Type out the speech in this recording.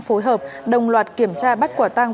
phối hợp đồng loạt kiểm tra bắt quả tăng